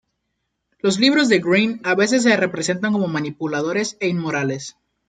Los libros de Greene a veces se representan como manipuladores e inmorales.